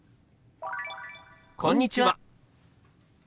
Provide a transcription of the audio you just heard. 「こんにちは」。